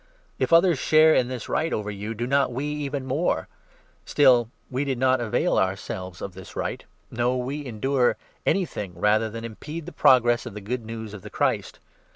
If others share in 12 this right over you, do not we even more ? Still we did not avail ourselves of this right. No, we endure anything rather than impede the progress of the Good News of the Christ.